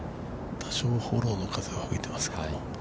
多少フォローの風は吹いてますけど。